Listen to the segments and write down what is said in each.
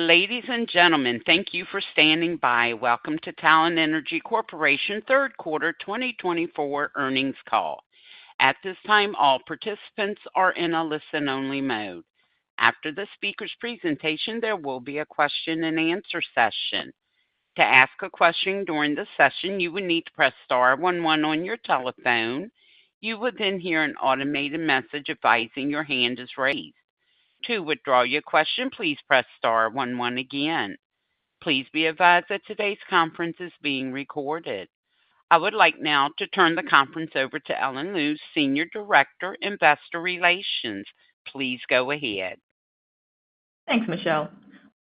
Ladies and gentlemen, thank you for standing by. Welcome to Talen Energy Corporation Third Quarter 2024 earnings call. At this time, all participants are in a listen-only mode. After the speaker's presentation, there will be a question-and-answer session. To ask a question during the session, you will need to press star one one on your telephone. You will then hear an automated message advising your hand is raised. To withdraw your question, please press star one one again. Please be advised that today's conference is being recorded. I would like now to turn the conference over to Ellen Liu, Senior Director, Investor Relations. Please go ahead. Thanks, Michelle.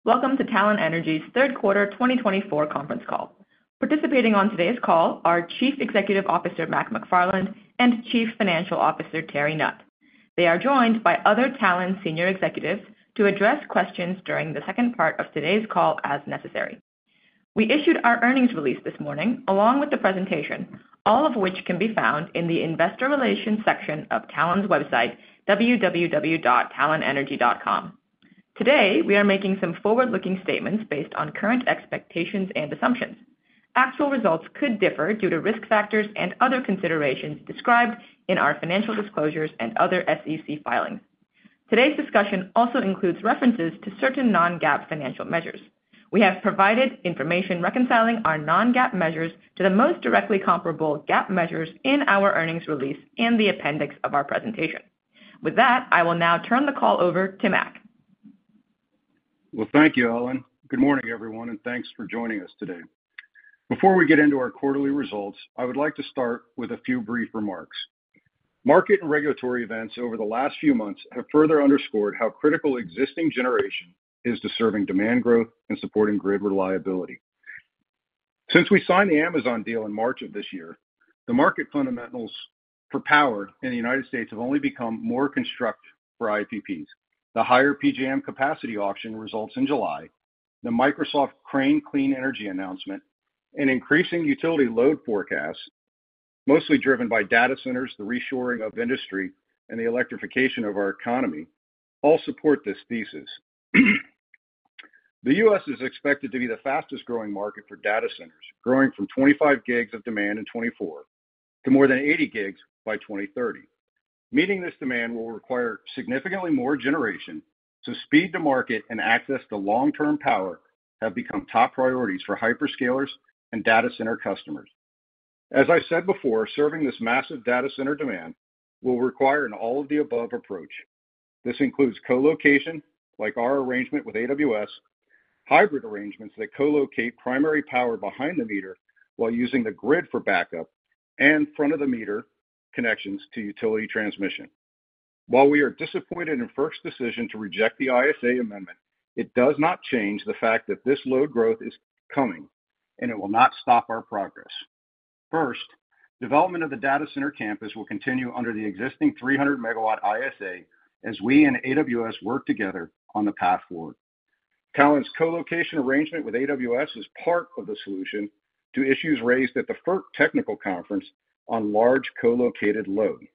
Welcome to Talen Energy's Third Quarter 2024 conference call. Participating on today's call are Chief Executive Officer Mac McFarland and Chief Financial Officer Terry Nutt. They are joined by other Talen senior executives to address questions during the second part of today's call as necessary. We issued our earnings release this morning along with the presentation, all of which can be found in the Investor Relations section of Talen's website, www.talenenergy.com. Today, we are making some forward-looking statements based on current expectations and assumptions. Actual results could differ due to risk factors and other considerations described in our financial disclosures and other SEC filings. Today's discussion also includes references to certain non-GAAP financial measures. We have provided information reconciling our non-GAAP measures to the most directly comparable GAAP measures in our earnings release and the appendix of our presentation. With that, I will now turn the call over to Mac. Well, thank you, Ellen. Good morning, everyone, and thanks for joining us today. Before we get into our quarterly results, I would like to start with a few brief remarks. Market and regulatory events over the last few months have further underscored how critical existing generation is to serving demand growth and supporting grid reliability. Since we signed the Amazon deal in March of this year, the market fundamentals for power in the United States have only become more construct for IPPs. The higher PJM capacity auction results in July, the Microsoft Crane Clean Energy announcement, and increasing utility load forecasts, mostly driven by data centers, the reshoring of industry, and the electrification of our economy, all support this thesis. The U.S. is expected to be the fastest-growing market for data centers, growing from 25 gigs of demand in 2024 to more than 80 gigs by 2030. Meeting this demand will require significantly more generation, so speed to market and access to long-term power have become top priorities for hyperscalers and data center customers. As I said before, serving this massive data center demand will require an all-of-the-above approach. This includes co-location, like our arrangement with AWS, hybrid arrangements that co-locate primary power behind-the-meter while using the grid for backup, and front-of-the-meter connections to utility transmission. While we are disappointed in FERC's decision to reject the ISA amendment, it does not change the fact that this load growth is coming, and it will not stop our progress. First, development of the data center campus will continue under the existing 300 MW ISA as we and AWS work together on the path forward. Talen's co-location arrangement with AWS is part of the solution to issues raised at the FERC technical conference on large co-located load.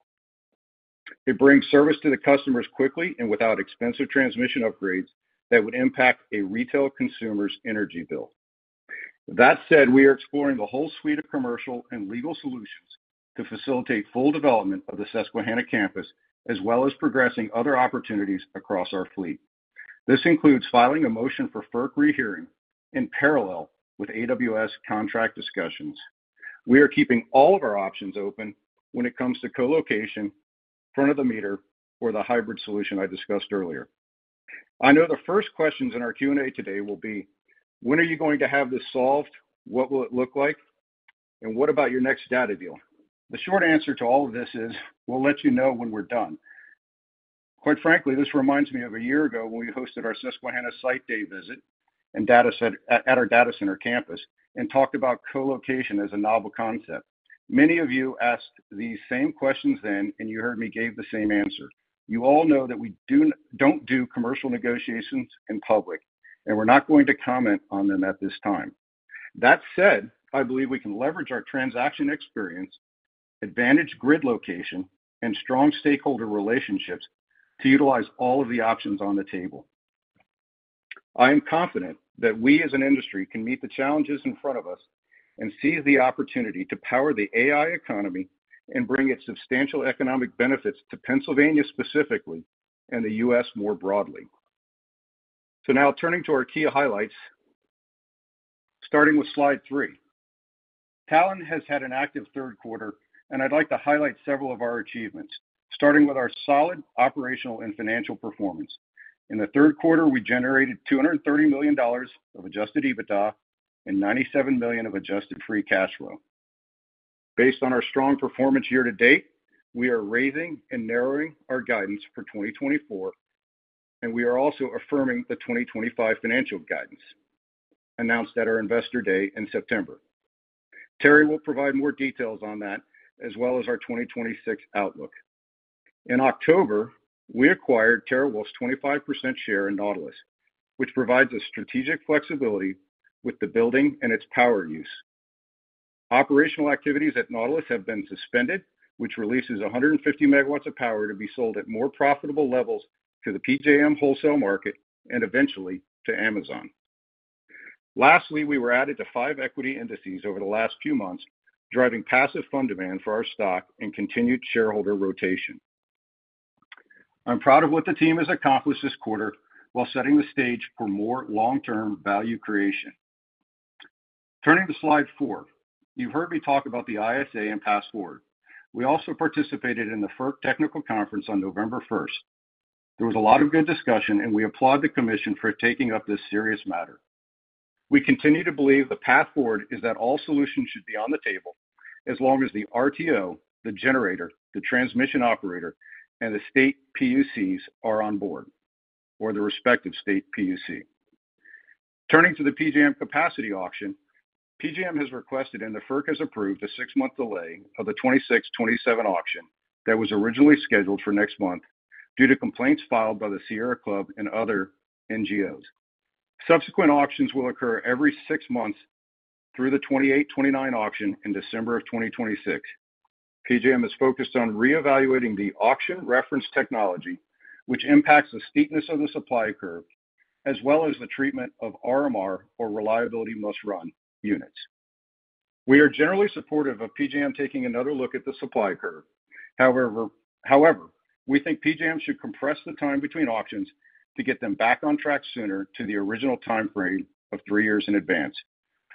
It brings service to the customers quickly and without expensive transmission upgrades that would impact a retail consumer's energy bill. That said, we are exploring the whole suite of commercial and legal solutions to facilitate full development of the Susquehanna campus as well as progressing other opportunities across our fleet. This includes filing a motion for FERC rehearing in parallel with AWS contract discussions. We are keeping all of our options open when it comes to co-location, front-of-the-meter, or the hybrid solution I discussed earlier. I know the first questions in our Q&A today will be, "When are you going to have this solved? What will it look like? And what about your next data deal?" The short answer to all of this is, "We'll let you know when we're done." Quite frankly, this reminds me of a year ago when we hosted our Susquehanna site day visit at our data center campus and talked about co-location as a novel concept. Many of you asked the same questions then, and you heard me gave the same answer. You all know that we don't do commercial negotiations in public, and we're not going to comment on them at this time. That said, I believe we can leverage our transaction experience, advantage grid location, and strong stakeholder relationships to utilize all of the options on the table. I am confident that we as an industry can meet the challenges in front of us and seize the opportunity to power the AI economy and bring its substantial economic benefits to Pennsylvania specifically and the U.S. more broadly. So now, turning to our key highlights, starting with slide three. Talen has had an active third quarter, and I'd like to highlight several of our achievements, starting with our solid operational and financial performance. In the third quarter, we generated $230 million of adjusted EBITDA and $97 million of adjusted free cash flow. Based on our strong performance year-to-date, we are raising and narrowing our guidance for 2024, and we are also affirming the 2025 financial guidance announced at our Investor Day in September. Terry will provide more details on that, as well as our 2026 outlook. In October, we acquired TeraWulf's 25% share in Nautilus, which provides us strategic flexibility with the building and its power use. Operational activities at Nautilus have been suspended, which releases 150 MW of power to be sold at more profitable levels to the PJM wholesale market and eventually to Amazon. Lastly, we were added to five equity indices over the last few months, driving passive fund demand for our stock and continued shareholder rotation. I'm proud of what the team has accomplished this quarter while setting the stage for more long-term value creation. Turning to slide four, you've heard me talk about the ISA and pass forward. We also participated in the FERC technical conference on November 1st. There was a lot of good discussion, and we applaud the commission for taking up this serious matter. We continue to believe the path forward is that all solutions should be on the table as long as the RTO, the generator, the transmission operator, and the state PUCs are on board or the respective state PUC. Turning to the PJM capacity auction, PJM has requested and the FERC has approved a six-month delay of the 2026-2027 auction that was originally scheduled for next month due to complaints filed by the Sierra Club and other NGOs. Subsequent auctions will occur every six months through the 2028-2029 auction in December of 2026. PJM is focused on re-evaluating the auction reference technology, which impacts the steepness of the supply curve, as well as the treatment of RMR or reliability must-run units. We are generally supportive of PJM taking another look at the supply curve. However, we think PJM should compress the time between auctions to get them back on track sooner to the original timeframe of three years in advance.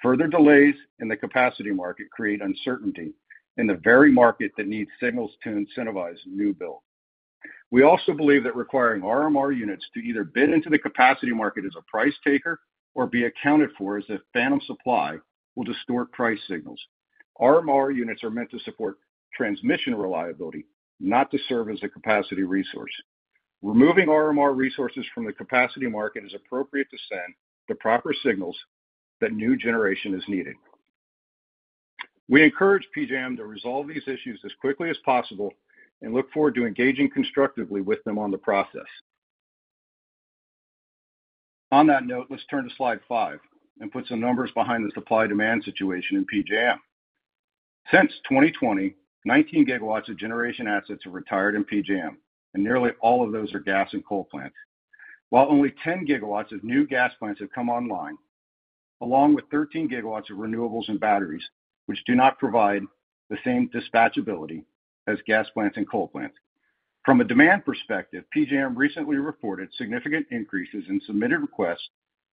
Further delays in the capacity market create uncertainty in the very market that needs signals to incentivize new builds. We also believe that requiring RMR units to either bid into the capacity market as a price taker or be accounted for as a phantom supply will distort price signals. RMR units are meant to support transmission reliability, not to serve as a capacity resource. Removing RMR resources from the capacity market is appropriate to send the proper signals that new generation is needed. We encourage PJM to resolve these issues as quickly as possible and look forward to engaging constructively with them on the process. On that note, let's turn to slide five and put some numbers behind the supply-demand situation in PJM. Since 2020, 19 GW of generation assets have retired in PJM, and nearly all of those are gas and coal plants. While only 10 GW of new gas plants have come online, along with 13 GW of renewables and batteries, which do not provide the same dispatchability as gas plants and coal plants. From a demand perspective, PJM recently reported significant increases in submitted requests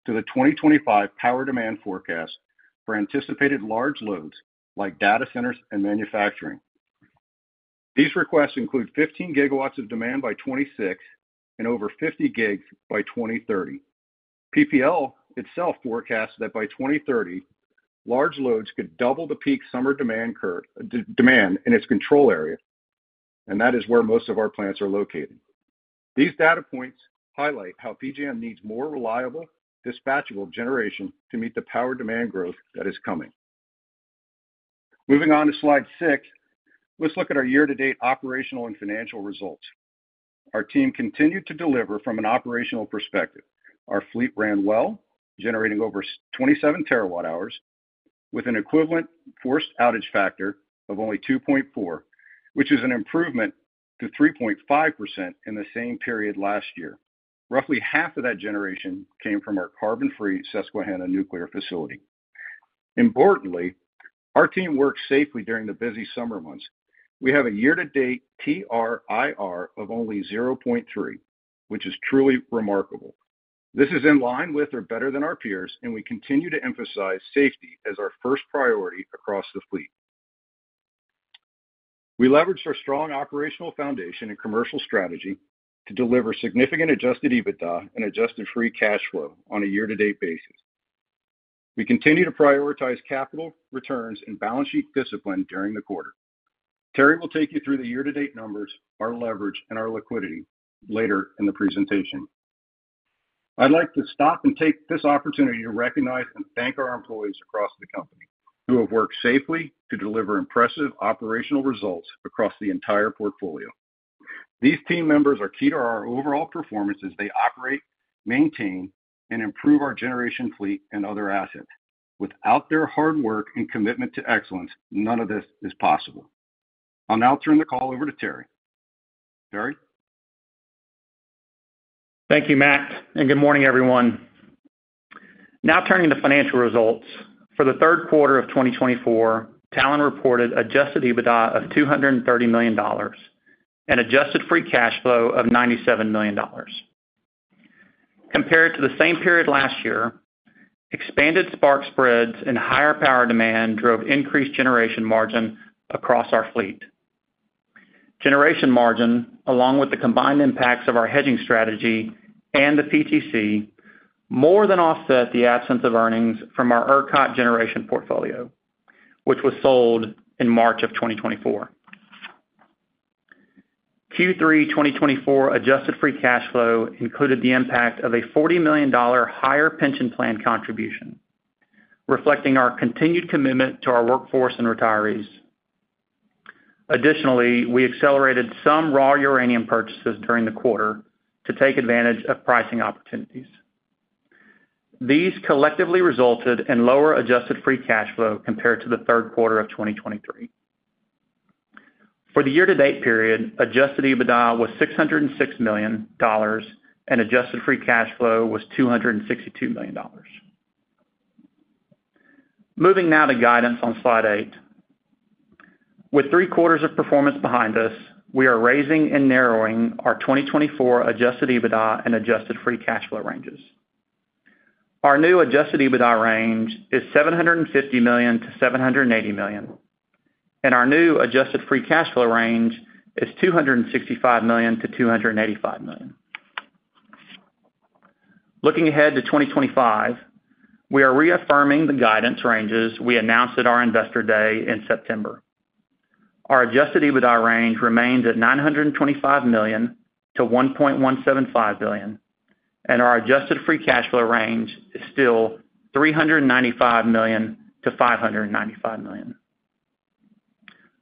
to the 2025 power demand forecast for anticipated large loads like data centers and manufacturing. These requests include 15 GW of demand by 2026 and over 50 gigs by 2030. PPL itself forecasts that by 2030, large loads could double the peak summer demand in its control area, and that is where most of our plants are located. These data points highlight how PJM needs more reliable, dispatchable generation to meet the power demand growth that is coming. Moving on to slide six, let's look at our year-to-date operational and financial results. Our team continued to deliver from an operational perspective. Our fleet ran well, generating over 27 TWh with an equivalent forced outage factor of only 2.4, which is an improvement to 3.5% in the same period last year. Roughly half of that generation came from our carbon-free Susquehanna nuclear facility. Importantly, our team worked safely during the busy summer months. We have a year-to-date TRIR of only 0.3, which is truly remarkable. This is in line with or better than our peers, and we continue to emphasize safety as our first priority across the fleet. We leveraged our strong operational foundation and commercial strategy to deliver significant adjusted EBITDA and adjusted free cash flow on a year-to-date basis. We continue to prioritize capital returns and balance sheet discipline during the quarter. Terry will take you through the year-to-date numbers, our leverage, and our liquidity later in the presentation. I'd like to stop and take this opportunity to recognize and thank our employees across the company who have worked safely to deliver impressive operational results across the entire portfolio. These team members are key to our overall performance as they operate, maintain, and improve our generation fleet and other assets. Without their hard work and commitment to excellence, none of this is possible. I'll now turn the call over to Terry. Terry? Thank you, Mac, and good morning, everyone. Now turning to financial results. For the third quarter of 2024, Talen reported adjusted EBITDA of $230 million and adjusted free cash flow of $97 million. Compared to the same period last year, expanded spark spreads and higher power demand drove increased generation margin across our fleet. Generation margin, along with the combined impacts of our hedging strategy and the PTC, more than offset the absence of earnings from our ERCOT generation portfolio, which was sold in March of 2024. Q3 2024 adjusted free cash flow included the impact of a $40 million higher pension plan contribution, reflecting our continued commitment to our workforce and retirees. Additionally, we accelerated some raw uranium purchases during the quarter to take advantage of pricing opportunities. These collectively resulted in lower adjusted free cash flow compared to the third quarter of 2023. For the year-to-date period, adjusted EBITDA was $606 million, and adjusted free cash flow was $262 million. Moving now to guidance on slide eight. With three quarters of performance behind us, we are raising and narrowing our 2024 adjusted EBITDA and adjusted free cash flow ranges. Our new adjusted EBITDA range is $750 million-$780 million, and our new adjusted free cash flow range is $265 million-$285 million. Looking ahead to 2025, we are reaffirming the guidance ranges we announced at our Investor Day in September. Our adjusted EBITDA range remains at $925 million-$1.175 billion, and our adjusted free cash flow range is still $395 million-$595 million.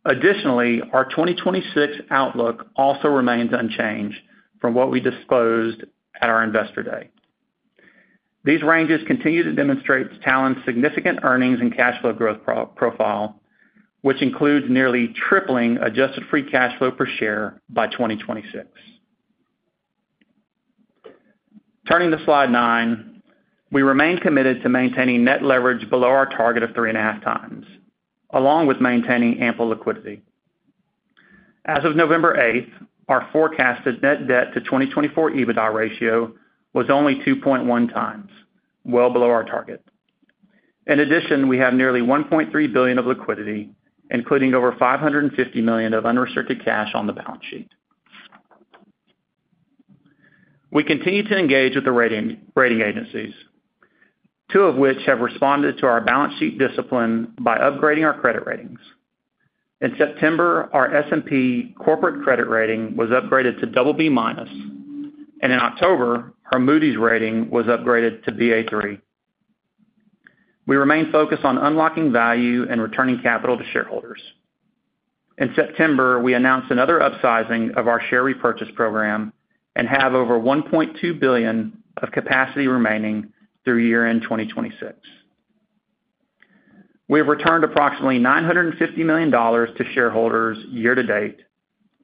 Additionally, our 2026 outlook also remains unchanged from what we disclosed at our Investor Day. These ranges continue to demonstrate Talen's significant earnings and cash flow growth profile, which includes nearly tripling adjusted free cash flow per share by 2026. Turning to slide nine, we remain committed to maintaining net leverage below our target of 3.5x, along with maintaining ample liquidity. As of November 8th, our forecasted net debt to 2024 EBITDA ratio was only 2.1x, well below our target. In addition, we have nearly $1.3 billion of liquidity, including over $550 million of unrestricted cash on the balance sheet. We continue to engage with the rating agencies, two of which have responded to our balance sheet discipline by upgrading our credit ratings. In September, our S&P corporate credit rating was upgraded to BB-, and in October, our Moody's rating was upgraded to Ba3. We remain focused on unlocking value and returning capital to shareholders. In September, we announced another upsizing of our share repurchase program and have over $1.2 billion of capacity remaining through year-end 2026. We have returned approximately $950 million to shareholders year-to-date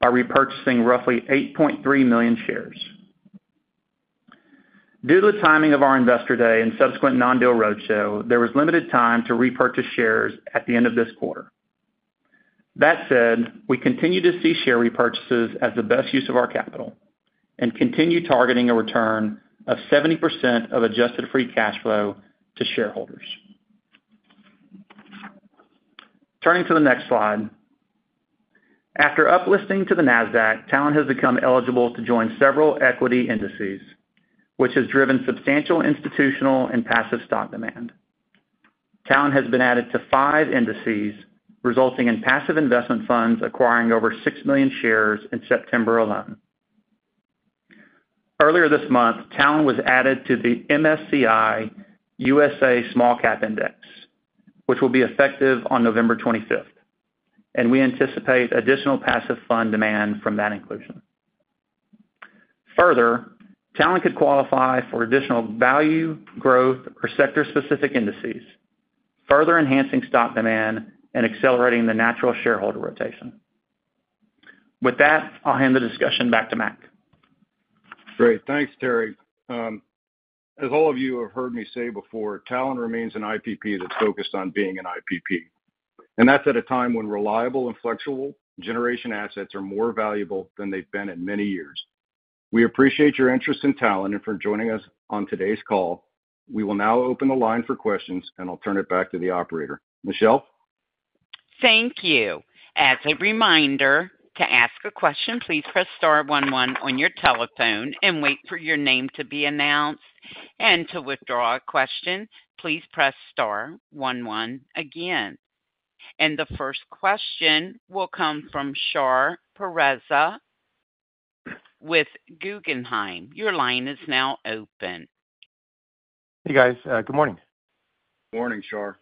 by repurchasing roughly 8.3 million shares. Due to the timing of our Investor Day and subsequent non-deal roadshow, there was limited time to repurchase shares at the end of this quarter. That said, we continue to see share repurchases as the best use of our capital and continue targeting a return of 70% of adjusted free cash flow to shareholders. Turning to the next slide. After uplisting to the NASDAQ, Talen has become eligible to join several equity indices, which has driven substantial institutional and passive stock demand. Talen has been added to five indices, resulting in passive investment funds acquiring over 6 million shares in September alone. Earlier this month, Talen was added to the MSCI USA Small Cap Index, which will be effective on November 25th, and we anticipate additional passive fund demand from that inclusion. Further, Talen could qualify for additional value, growth, or sector-specific indices, further enhancing stock demand and accelerating the natural shareholder rotation. With that, I'll hand the discussion back to Mac. Great. Thanks, Terry. As all of you have heard me say before, Talen remains an IPP that's focused on being an IPP, and that's at a time when reliable and flexible generation assets are more valuable than they've been in many years. We appreciate your interest in Talen and for joining us on today's call. We will now open the line for questions, and I'll turn it back to the operator. Michelle? Thank you. As a reminder, to ask a question, please press star one one on your telephone and wait for your name to be announced. And to withdraw a question, please press star one one again. And the first question will come from Shar Pourreza with Guggenheim. Your line is now open. Hey, guys. Good morning. Morning, Shar.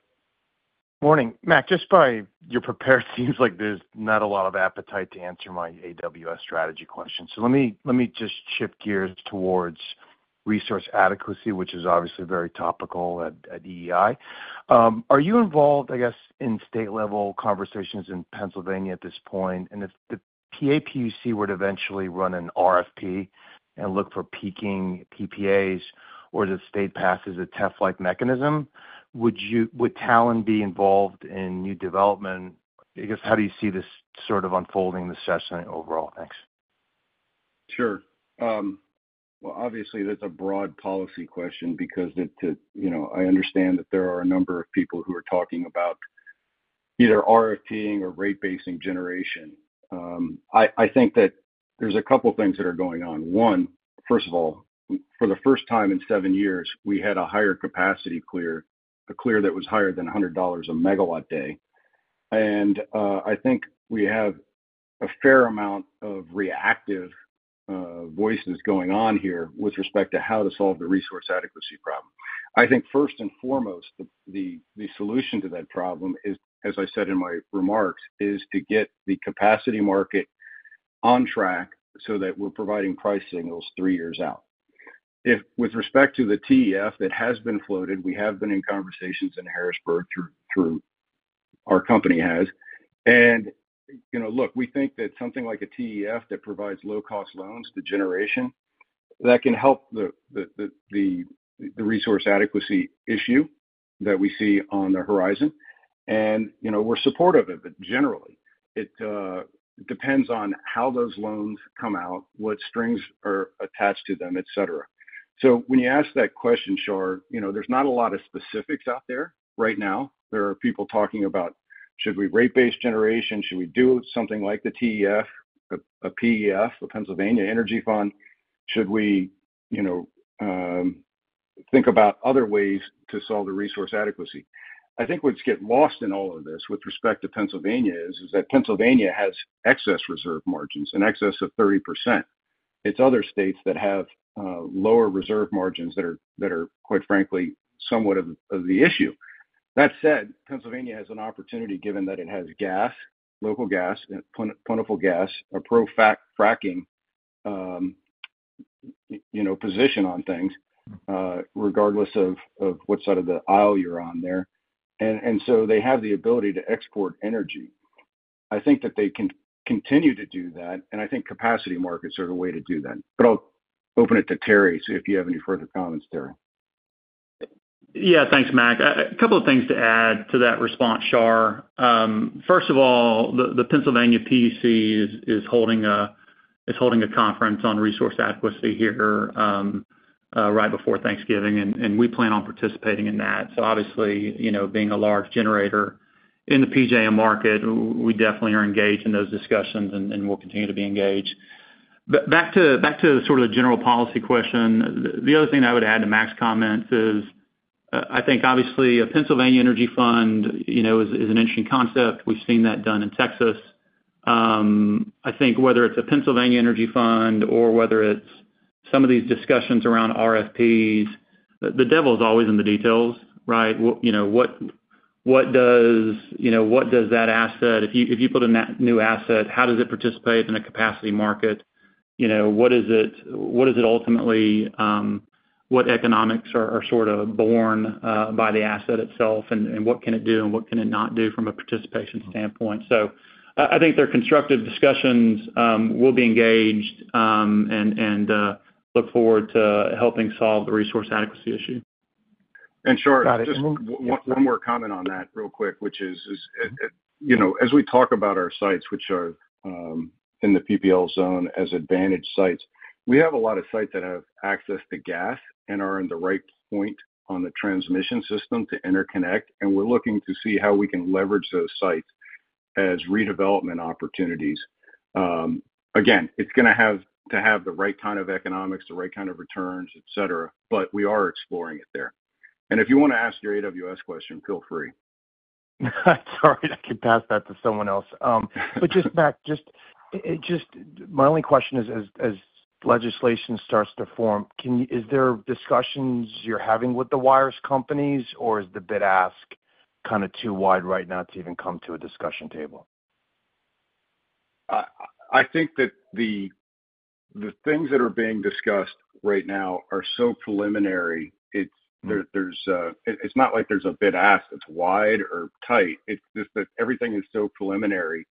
Morning. Mac, just by your preparedness, it seems like there's not a lot of appetite to answer my AWS strategy questions. So let me just shift gears towards resource adequacy, which is obviously very topical at EEI. Are you involved, I guess, in state-level conversations in Pennsylvania at this point? And if the PaPUC were to eventually run an RFP and look for peaking PPAs, or the state passes a TEF-like mechanism, would Talen be involved in new development? I guess, how do you see this sort of unfolding, the session overall? Thanks. Sure. Well, obviously, that's a broad policy question because I understand that there are a number of people who are talking about either RFPing or rate-basing generation. I think that there's a couple of things that are going on. One, first of all, for the first time in seven years, we had a higher capacity clear, a clear that was higher than $100 a megawatt day. And I think we have a fair amount of reactive voices going on here with respect to how to solve the resource adequacy problem. I think first and foremost, the solution to that problem is, as I said in my remarks, to get the capacity market on track so that we're providing price signals three years out. With respect to the TEF that has been floated, we have been in conversations in Harrisburg through our company has. And look, we think that something like a TEF that provides low-cost loans to generation, that can help the resource adequacy issue that we see on the horizon. And we're supportive of it, but generally, it depends on how those loans come out, what strings are attached to them, etc. So when you ask that question, Shar, there's not a lot of specifics out there right now. There are people talking about, should we rate-based generation? Should we do something like the TEF, a PEF, a Pennsylvania Energy Fund? Should we think about other ways to solve the resource adequacy? I think what's get lost in all of this with respect to Pennsylvania is that Pennsylvania has excess reserve margins, an excess of 30%. It's other states that have lower reserve margins that are, quite frankly, somewhat of the issue. That said, Pennsylvania has an opportunity, given that it has gas, local gas, plentiful gas, a pro-fracking position on things, regardless of what side of the aisle you're on there, and so they have the ability to export energy. I think that they can continue to do that, and I think capacity markets are a way to do that, but I'll open it to Terry if you have any further comments, Terry. Yeah, thanks, Mac. A couple of things to add to that response, Shar. First of all, the Pennsylvania PUC is holding a conference on resource adequacy here right before Thanksgiving, and we plan on participating in that. So obviously, being a large generator in the PJM market, we definitely are engaged in those discussions and will continue to be engaged. Back to sort of the general policy question, the other thing I would add to Mac's comments is I think, obviously, a Pennsylvania Energy Fund is an interesting concept. We've seen that done in Texas. I think whether it's a Pennsylvania Energy Fund or whether it's some of these discussions around RFPs, the devil's always in the details, right? What does that asset, if you put in that new asset, how does it participate in a capacity market? What is it ultimately? What economics are sort of born by the asset itself, and what can it do and what can it not do from a participation standpoint? So I think they're constructive discussions. We'll be engaged and look forward to helping solve the resource adequacy issue. And, Shar, just one more comment on that real quick, which is, as we talk about our sites, which are in the PPL zone as advantaged sites, we have a lot of sites that have access to gas and are in the right point on the transmission system to interconnect. And we're looking to see how we can leverage those sites as redevelopment opportunities. Again, it's going to have to have the right kind of economics, the right kind of returns, etc., but we are exploring it there. And if you want to ask your AWS question, feel free. Sorry, I can pass that to someone else, but just, Mac, just my only question is, as legislation starts to form, is there discussions you're having with the wires companies, or is the bid-ask kind of too wide right now to even come to a discussion table? I think that the things that are being discussed right now are so preliminary. It's not like there's a bid-ask that's wide or tight. It's just that everything is so preliminary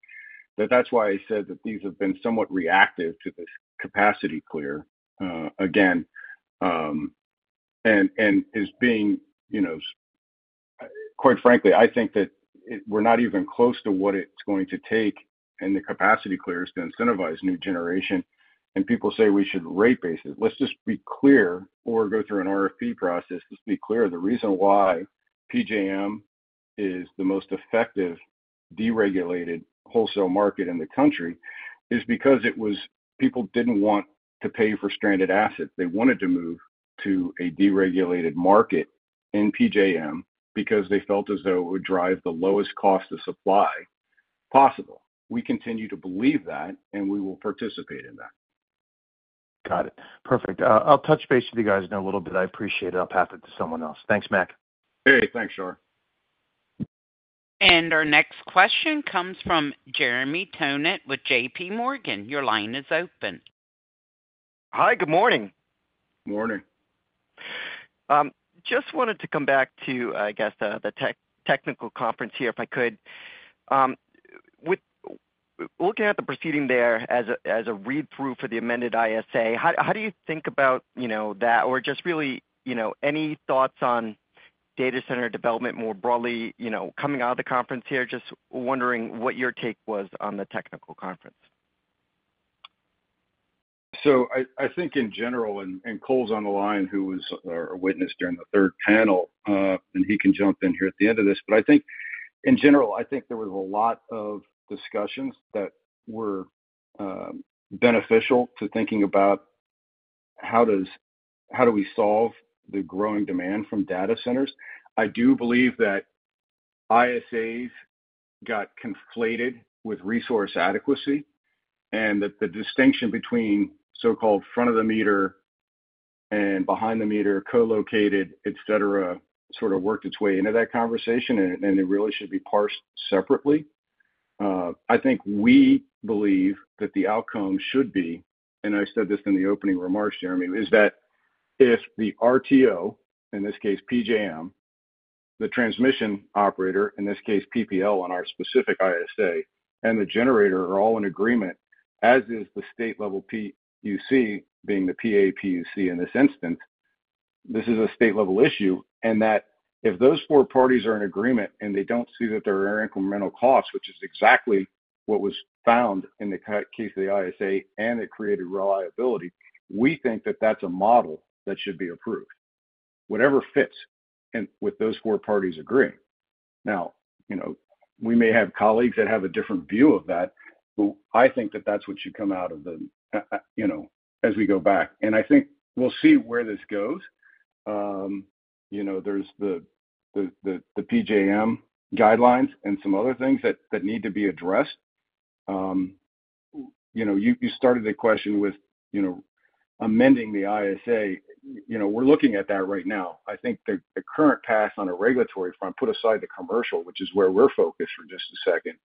that that's why I said that these have been somewhat reactive to this capacity clear, again, and is being, quite frankly, I think that we're not even close to what it's going to take in the capacity clears to incentivize new generation. And people say we should rate base it. Let's just be clear or go through an RFP process. Let's be clear. The reason why PJM is the most effective deregulated wholesale market in the country is because people didn't want to pay for stranded assets. They wanted to move to a deregulated market in PJM because they felt as though it would drive the lowest cost of supply possible. We continue to believe that, and we will participate in that. Got it. Perfect. I'll touch base with you guys in a little bit. I appreciate it. I'll pass it to someone else. Thanks, Mac. Hey, thanks, Shar. Our next question comes from Jeremy Tonet with JPMorgan. Your line is open. Hi, good morning. Morning. Just wanted to come back to, I guess, the technical conference here, if I could. Looking at the proceeding there as a read-through for the amended ISA, how do you think about that? Or just really any thoughts on data center development more broadly coming out of the conference here? Just wondering what your take was on the technical conference? So, I think in general, and Cole's on the line, who was our witness during the third panel, and he can jump in here at the end of this. But I think in general, I think there was a lot of discussions that were beneficial to thinking about how do we solve the growing demand from data centers. I do believe that ISAs got conflated with resource adequacy and that the distinction between so-called front-of-the-meter and behind-the-meter, co-located, etc., sort of worked its way into that conversation, and it really should be parsed separately. I think we believe that the outcome should be, and I said this in the opening remarks, Jeremy, is that if the RTO, in this case PJM, the transmission operator, in this case PPL on our specific ISA, and the generator are all in agreement, as is the state-level PUC, being the PaPUC in this instance. This is a state-level issue. And that if those four parties are in agreement and they don't see that there are incremental costs, which is exactly what was found in the case of the ISA and it created reliability, we think that that's a model that should be approved. Whatever fits with those four parties agree. Now, we may have colleagues that have a different view of that, but I think that that's what should come out of this as we go back. I think we'll see where this goes. There's the PJM guidelines and some other things that need to be addressed. You started the question with amending the ISA. We're looking at that right now. I think the current path on a regulatory front, put aside the commercial, which is where we're focused for just a second,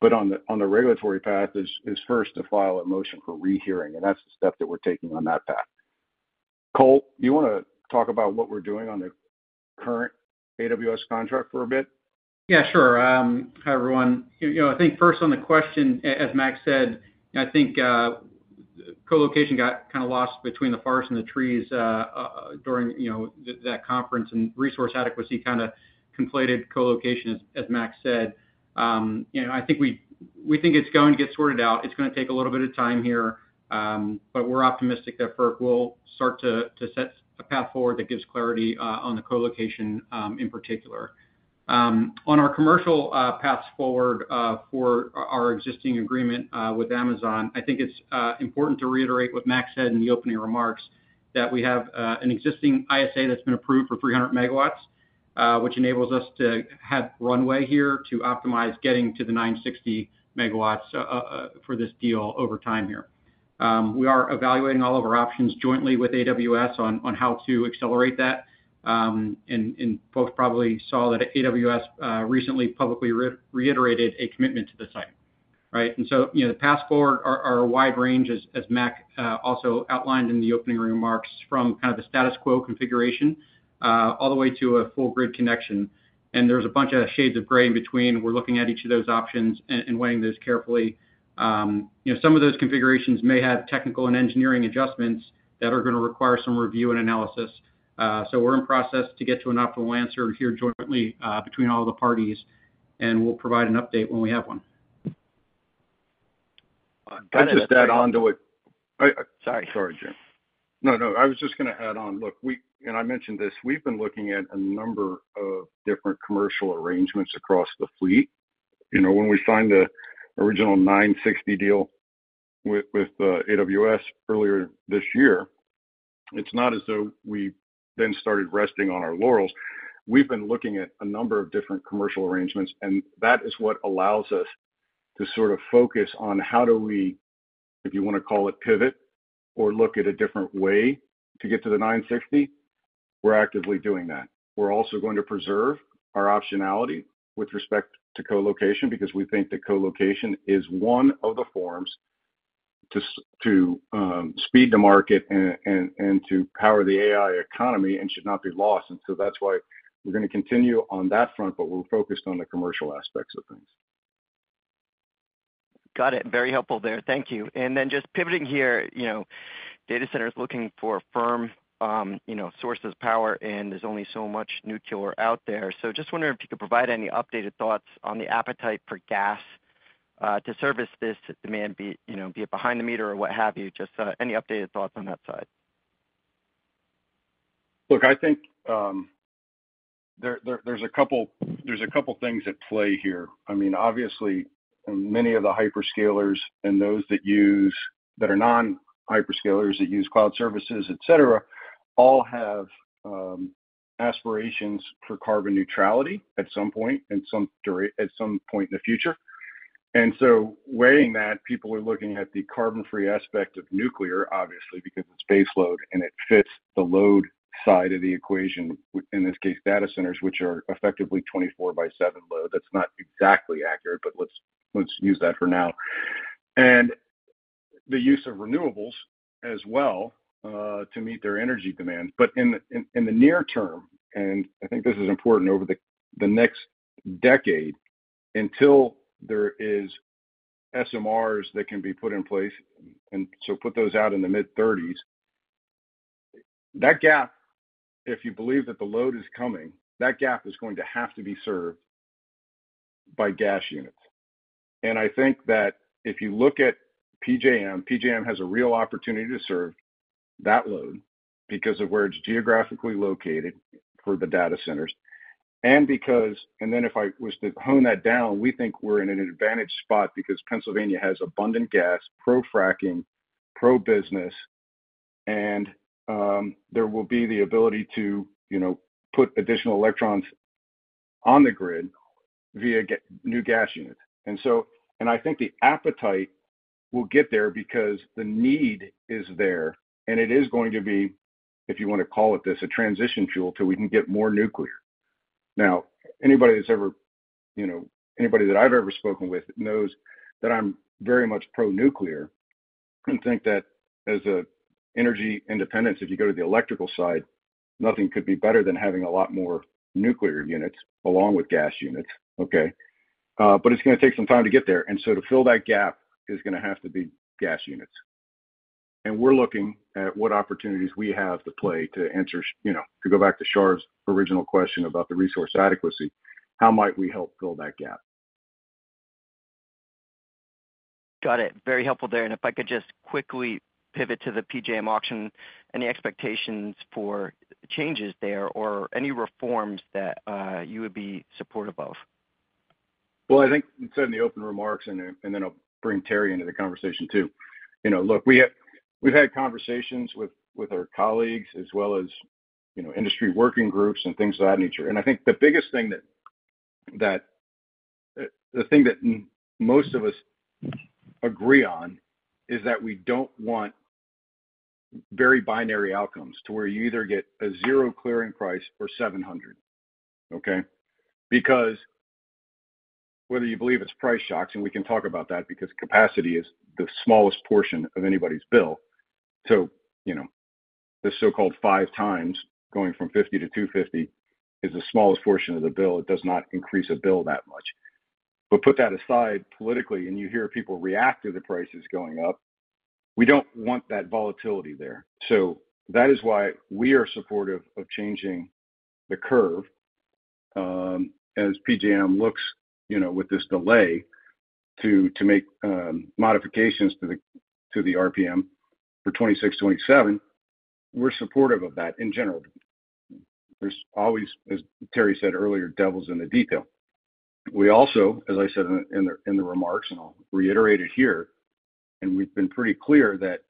but on the regulatory path is first to file a motion for rehearing, and that's the step that we're taking on that path. Cole, you want to talk about what we're doing on the current AWS contract for a bit? Yeah, sure. Hi, everyone. I think first on the question, as Mac said, I think co-location got kind of lost between the forest and the trees during that conference, and resource adequacy kind of conflated co-location, as Mac said. I think we think it's going to get sorted out. It's going to take a little bit of time here, but we're optimistic that FERC will start to set a path forward that gives clarity on the co-location in particular. On our commercial paths forward for our existing agreement with Amazon, I think it's important to reiterate what Mac said in the opening remarks that we have an existing ISA that's been approved for 300 MW, which enables us to have runway here to optimize getting to the 960 MW for this deal over time here. We are evaluating all of our options jointly with AWS on how to accelerate that. Folks probably saw that AWS recently publicly reiterated a commitment to the site, right? The paths forward are a wide range, as Mac also outlined in the opening remarks, from kind of the status quo configuration all the way to a full grid connection. There's a bunch of shades of gray in between. We're looking at each of those options and weighing those carefully. Some of those configurations may have technical and engineering adjustments that are going to require some review and analysis. We're in process to get to an optimal answer here jointly between all of the parties, and we'll provide an update when we have one. Sorry, Jim. No, no. I was just going to add on. Look, and I mentioned this, we've been looking at a number of different commercial arrangements across the fleet. When we signed the original 960 deal with AWS earlier this year, it's not as though we then started resting on our laurels. We've been looking at a number of different commercial arrangements, and that is what allows us to sort of focus on how do we, if you want to call it pivot or look at a different way to get to the 960, we're actively doing that. We're also going to preserve our optionality with respect to co-location because we think that co-location is one of the forms to speed the market and to power the AI economy and should not be lost. And so that's why we're going to continue on that front, but we're focused on the commercial aspects of things. Got it. Very helpful there. Thank you. And then just pivoting here, data centers looking for firm sources of power, and there's only so much nuclear out there. So just wondering if you could provide any updated thoughts on the appetite for gas to service this demand, be it behind the meter or what have you. Just any updated thoughts on that side? Look, I think there's a couple of things at play here. I mean, obviously, many of the hyperscalers and those that are non-hyperscalers that use cloud services, etc., all have aspirations for carbon neutrality at some point in the future. And so weighing that, people are looking at the carbon-free aspect of nuclear, obviously, because it's baseload and it fits the load side of the equation, in this case, data centers, which are effectively 24 by 7 load. That's not exactly accurate, but let's use that for now. And the use of renewables as well to meet their energy demands. But in the near term, and I think this is important over the next decade until there are SMRs that can be put in place, and so put those out in the mid-30s, that gap, if you believe that the load is coming, that gap is going to have to be served by gas units. And I think that if you look at PJM, PJM has a real opportunity to serve that load because of where it's geographically located for the data centers. And then if I was to hone that down, we think we're in an advantaged spot because Pennsylvania has abundant gas, pro-fracking, pro-business, and there will be the ability to put additional electrons on the grid via new gas units. And I think the appetite will get there because the need is there, and it is going to be, if you want to call it this, a transition fuel until we can get more nuclear. Now, anybody that I've ever spoken with knows that I'm very much pro-nuclear and think that as an energy independence, if you go to the electrical side, nothing could be better than having a lot more nuclear units along with gas units, okay? But it's going to take some time to get there. And so to fill that gap is going to have to be gas units. And we're looking at what opportunities we have to play to answer to go back to Shar's original question about the resource adequacy, how might we help fill that gap? Got it. Very helpful there, and if I could just quickly pivot to the PJM auction, any expectations for changes there or any reforms that you would be supportive of? I think we said in the open remarks, and then I'll bring Terry into the conversation too. Look, we've had conversations with our colleagues as well as industry working groups and things of that nature. I think the biggest thing that most of us agree on is that we don't want very binary outcomes to where you either get a zero clearing price or $700, okay? Because whether you believe it's price shocks, and we can talk about that because capacity is the smallest portion of anybody's bill. The so-called five times going from $50 to $250 is the smallest portion of the bill. It does not increase a bill that much. Put that aside politically, and you hear people react to the prices going up. We don't want that volatility there. That is why we are supportive of changing the curve. As PJM looks with this delay to make modifications to the RPM for 2026, 2027, we're supportive of that in general. There's always, as Terry said earlier, devils in the detail. We also, as I said in the remarks, and I'll reiterate it here, and we've been pretty clear that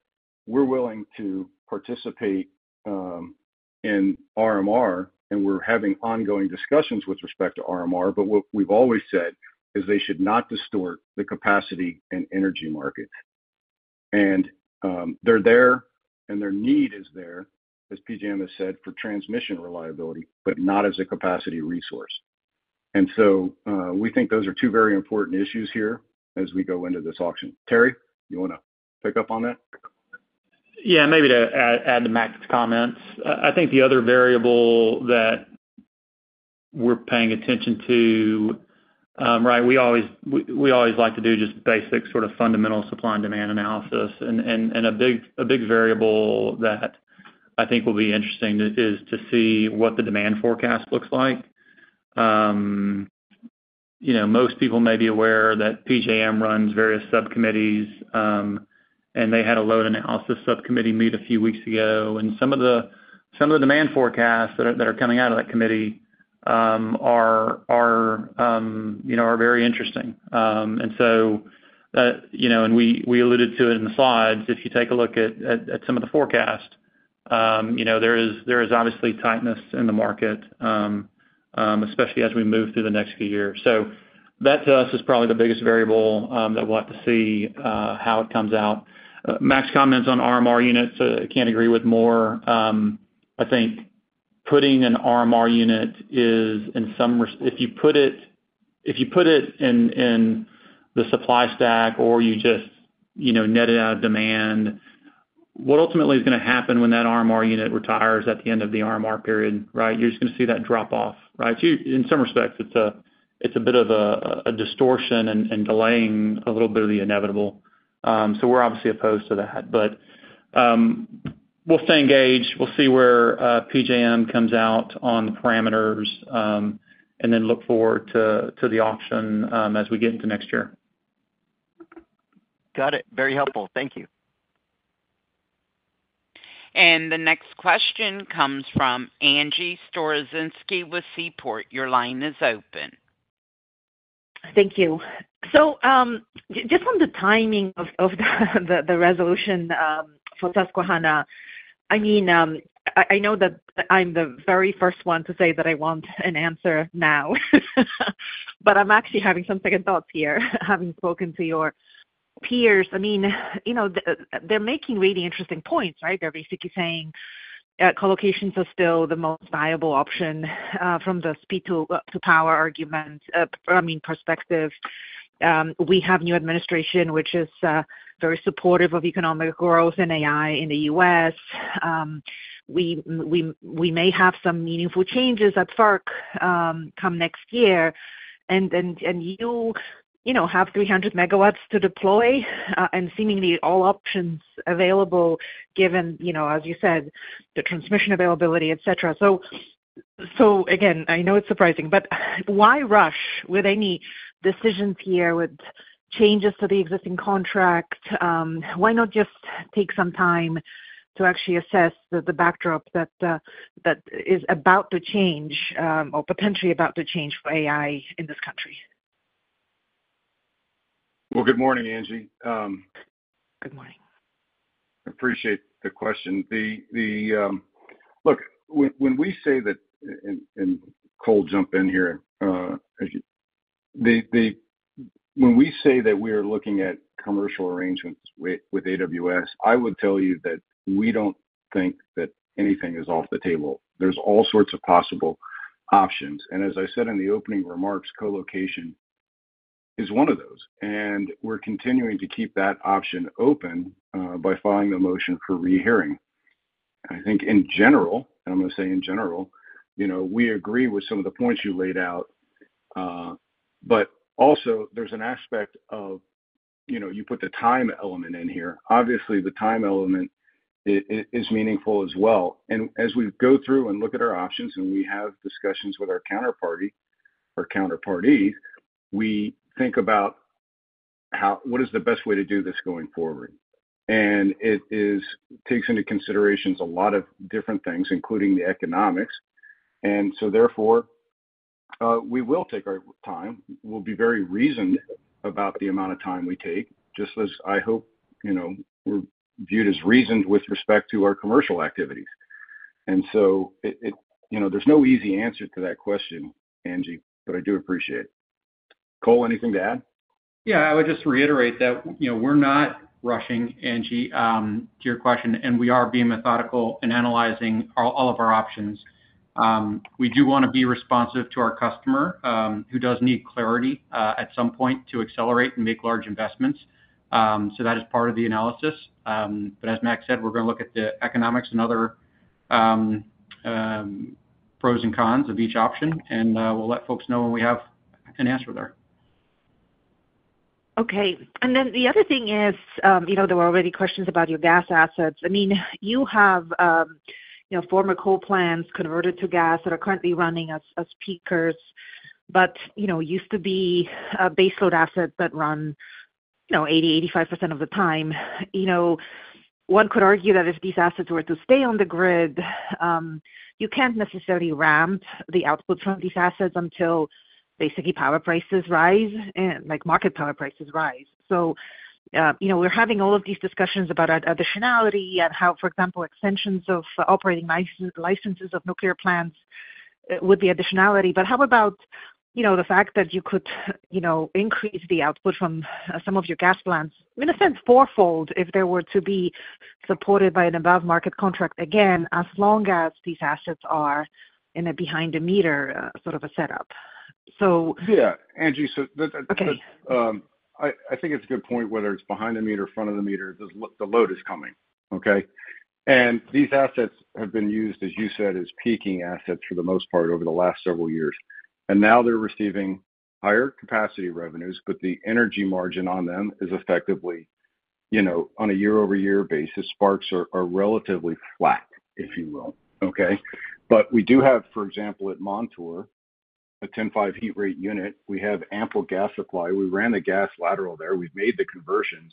we're willing to participate in RMR, and we're having ongoing discussions with respect to RMR, but what we've always said is they should not distort the capacity and energy market, and they're there, and their need is there, as PJM has said, for transmission reliability, but not as a capacity resource, and so we think those are two very important issues here as we go into this auction. Terry, you want to pick up on that? Yeah, maybe to add to Mac's comments. I think the other variable that we're paying attention to, right, we always like to do just basic sort of fundamental supply and demand analysis. And a big variable that I think will be interesting is to see what the demand forecast looks like. Most people may be aware that PJM runs various subcommittees, and they had a load analysis subcommittee meet a few weeks ago. And some of the demand forecasts that are coming out of that committee are very interesting. And so we alluded to it in the slides. If you take a look at some of the forecasts, there is obviously tightness in the market, especially as we move through the next few years. So that to us is probably the biggest variable that we'll have to see how it comes out. Mac's comments on RMR units, I can't agree with more. I think putting an RMR unit is in some if you put it in the supply stack or you just net it out of demand, what ultimately is going to happen when that RMR unit retires at the end of the RMR period, right? You're just going to see that drop off, right? In some respects, it's a bit of a distortion and delaying a little bit of the inevitable. So we're obviously opposed to that. But we'll stay engaged. We'll see where PJM comes out on the parameters and then look forward to the auction as we get into next year. Got it. Very helpful. Thank you. And the next question comes from Angie Storozynski with Seaport. Your line is open. Thank you. So just on the timing of the resolution for Susquehanna, I mean, I know that I'm the very first one to say that I want an answer now, but I'm actually having some second thoughts here, having spoken to your peers. I mean, they're making really interesting points, right? They're basically saying co-locations are still the most viable option from the speed to power argument, I mean, perspective. We have new administration, which is very supportive of economic growth and AI in the U.S. We may have some meaningful changes at FERC come next year. And you have 300 MW to deploy and seemingly all options available given, as you said, the transmission availability, etc. So again, I know it's surprising, but why rush with any decisions here with changes to the existing contract? Why not just take some time to actually assess the backdrop that is about to change or potentially about to change for AI in this country? Good morning, Angie. Good morning. Appreciate the question. Look, when we say that and Cole jump in here. When we say that we are looking at commercial arrangements with AWS, I would tell you that we don't think that anything is off the table. There's all sorts of possible options, and as I said in the opening remarks, co-location is one of those, and we're continuing to keep that option open by filing the motion for rehearing. I think in general, and I'm going to say in general, we agree with some of the points you laid out, but also there's an aspect of you put the time element in here. Obviously, the time element is meaningful as well, and as we go through and look at our options and we have discussions with our counterparty or counterparty, we think about what is the best way to do this going forward? And it takes into consideration a lot of different things, including the economics. And so therefore, we will take our time. We'll be very reasoned about the amount of time we take, just as I hope we're viewed as reasoned with respect to our commercial activities. And so there's no easy answer to that question, Angie, but I do appreciate it. Cole, anything to add? Yeah, I would just reiterate that we're not rushing, Angie, to your question, and we are being methodical and analyzing all of our options. We do want to be responsive to our customer who does need clarity at some point to accelerate and make large investments. So that is part of the analysis. But as Mac said, we're going to look at the economics and other pros and cons of each option, and we'll let folks know when we have an answer there. Okay. And then the other thing is there were already questions about your gas assets. I mean, you have former coal plants converted to gas that are currently running as peakers, but used to be baseload assets that run 80%, 85% of the time. One could argue that if these assets were to stay on the grid, you can't necessarily ramp the output from these assets until basically power prices rise like market power prices rise. So we're having all of these discussions about additionality and how, for example, extensions of operating licenses of nuclear plants would be additionality? But how about the fact that you could increase the output from some of your gas plants, in a sense, fourfold if they were to be supported by an above-market contract again, as long as these assets are in a behind-the-meter sort of a setup? Yeah, Angie, so I think it's a good point whether it's behind-the-meter or front-of-the-meter, the load is coming, okay? And these assets have been used, as you said, as peaking assets for the most part over the last several years. And now they're receiving higher capacity revenues, but the energy margin on them is effectively on a year-over-year basis. Sparks are relatively flat, if you will, okay? But we do have, for example, at Montour, a 10, 5 heat rate unit. We have ample gas supply. We ran the gas lateral there. We've made the conversions.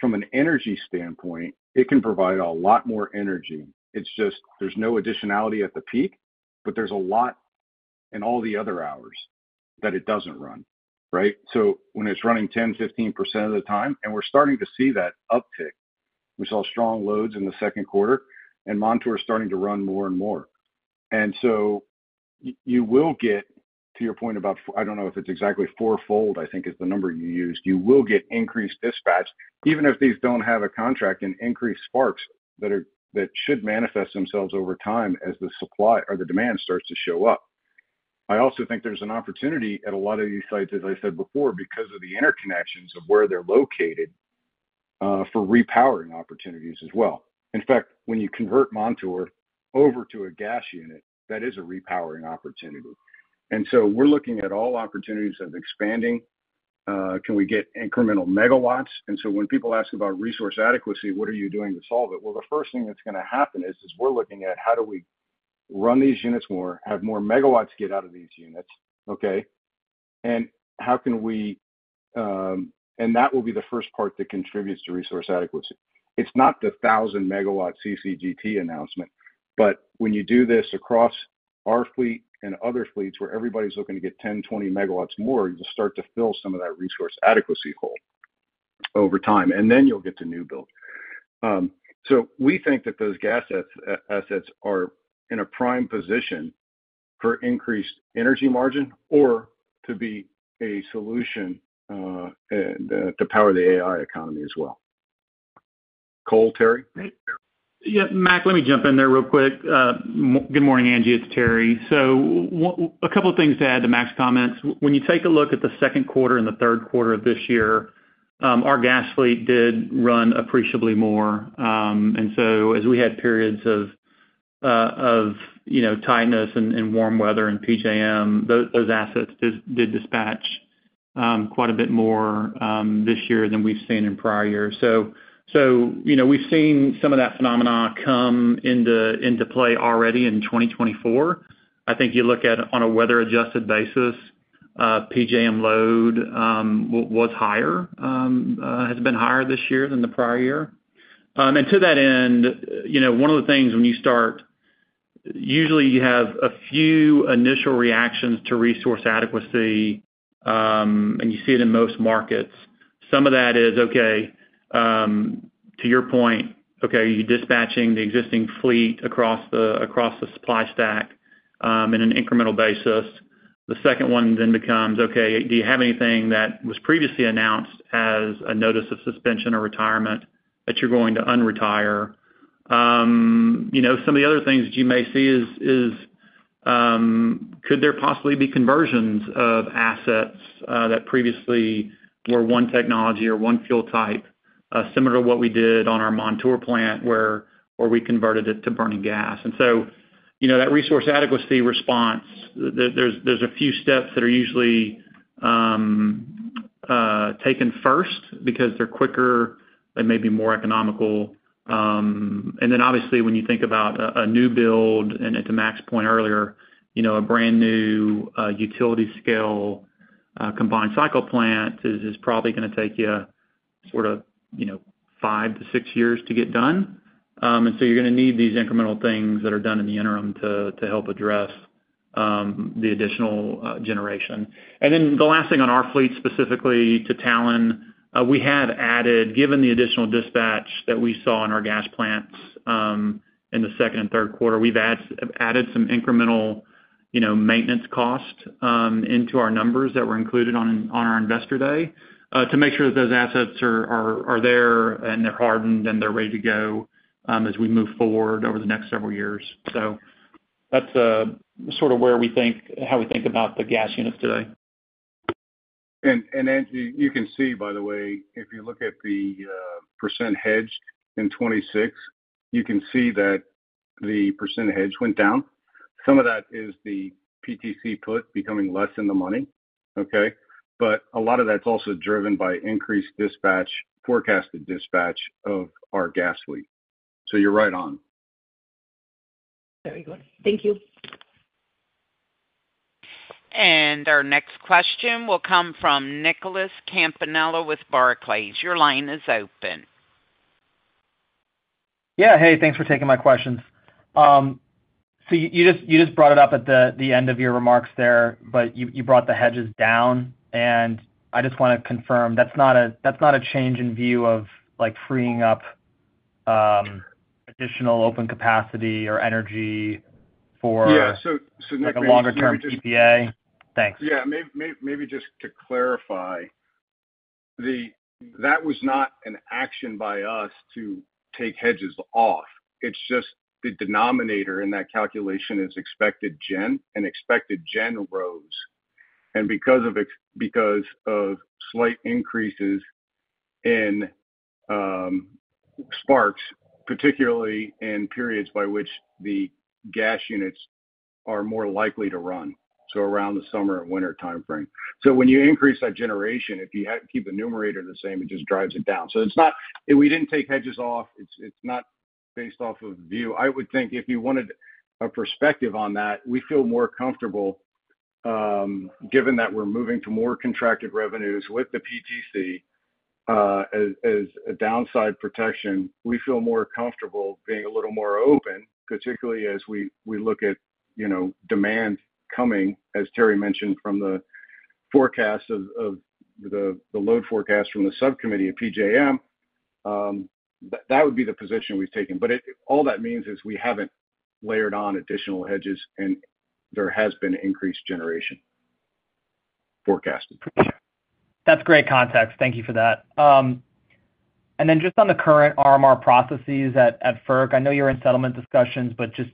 From an energy standpoint, it can provide a lot more energy. It's just there's no additionality at the peak, but there's a lot in all the other hours that it doesn't run, right? So when it's running 10%, 15% of the time, and we're starting to see that uptick. We saw strong loads in the second quarter, and Montour is starting to run more and more. And so you will get, to your point about, I don't know if it's exactly fourfold, I think is the number you used, you will get increased dispatch, even if these don't have a contract, and increased sparks that should manifest themselves over time as the demand starts to show up. I also think there's an opportunity at a lot of these sites, as I said before, because of the interconnections of where they're located for repowering opportunities as well. In fact, when you convert Montour over to a gas unit, that is a repowering opportunity. And so we're looking at all opportunities of expanding. Can we get incremental megawatts? And so when people ask about resource adequacy, what are you doing to solve it? Well, the first thing that's going to happen is we're looking at how do we run these units more, have more megawatts get out of these units, okay? And how can we—and that will be the first part that contributes to resource adequacy. It's not the thousand megawatt CCGT announcement, but when you do this across our fleet and other fleets where everybody's looking to get 10 MW, 20 MW more, you just start to fill some of that resource adequacy hole over time, and then you'll get to new build. So we think that those gas assets are in a prime position for increased energy margin or to be a solution to power the AI economy as well. Cole, Terry? Yeah, Mac, let me jump in there real quick. Good morning, Angie. It's Terry. So a couple of things to add to Mac's comments. When you take a look at the second quarter and the third quarter of this year, our gas fleet did run appreciably more. And so as we had periods of tightness and warm weather in PJM, those assets did dispatch quite a bit more this year than we've seen in prior years. So we've seen some of that phenomenon come into play already in 2024. I think you look at it on a weather-adjusted basis, PJM load has been higher this year than the prior year. And to that end, one of the things when you start, usually you have a few initial reactions to resource adequacy, and you see it in most markets. Some of that is, okay, to your point. Okay, you're dispatching the existing fleet across the supply stack in an incremental basis. The second one then becomes, okay, do you have anything that was previously announced as a notice of suspension or retirement that you're going to unretire? Some of the other things that you may see is, could there possibly be conversions of assets that previously were one technology or one fuel type similar to what we did on our Montour plant where we converted it to burning gas. And so that resource adequacy response, there's a few steps that are usually taken first because they're quicker, they may be more economical. And then obviously, when you think about a new build, and to Mac's point earlier, a brand new utility scale combined cycle plant is probably going to take you sort of five to six years to get done. And so you're going to need these incremental things that are done in the interim to help address the additional generation. And then the last thing on our fleet specifically to Talen, we have added, given the additional dispatch that we saw in our gas plants in the second and third quarter, we've added some incremental maintenance cost into our numbers that were included on our Investor Day to make sure that those assets are there and they're hardened and they're ready to go as we move forward over the next several years. So that's sort of how we think about the gas units today. And Angie, you can see, by the way, if you look at the percent hedged in 2026, you can see that the percent hedge went down. Some of that is the PTC put becoming less in the money, okay? But a lot of that's also driven by increased dispatch, forecasted dispatch of our gas fleet. So you're right on. Very good. Thank you. Our next question will come from Nicholas Campanella with Barclays. Your line is open. Yeah. Hey, thanks for taking my questions. So you just brought it up at the end of your remarks there, but you brought the hedges down. And I just want to confirm that's not a change in view of freeing up additional open capacity or energy for like a longer-term PPA? Thanks. Yeah. Maybe just to clarify, that was not an action by us to take hedges off. It's just the denominator in that calculation is expected gen and expected gen rose. And because of slight increases in sparks, particularly in periods by which the gas units are more likely to run, so around the summer and winter timeframe. So when you increase that generation, if you keep the numerator the same, it just drives it down. So we didn't take hedges off. It's not based off of view. I would think if you wanted a perspective on that, we feel more comfortable given that we're moving to more contracted revenues with the PTC as a downside protection. We feel more comfortable being a little more open, particularly as we look at demand coming, as Terry mentioned from the forecast of the load forecast from the subcommittee of PJM. That would be the position we've taken. But all that means is we haven't layered on additional hedges, and there has been increased generation forecasted. That's great context. Thank you for that. And then just on the current RMR processes at FERC, I know you're in settlement discussions, but just